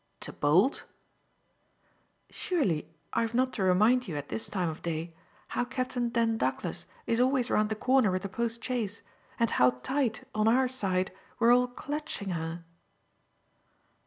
"To bolt?" "Surely I've not to remind you at this time of day how Captain Dent Douglas is always round the corner with the post chaise, and how tight, on our side, we're all clutching her."